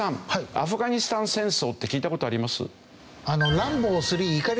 アフガニスタン戦争って聞いた事あります？